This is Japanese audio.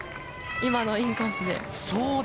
今のインコースで。